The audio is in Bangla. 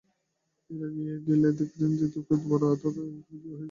এঁরা গিয়ে দেখলেন যে লোকগুলো বড়ই আদাড়ে হয়ে গিয়েছে।